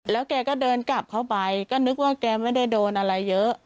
แล้วแกก็เดินกลับเข้าไปก็นึกว่าแกไม่ได้โดนอะไรเยอะ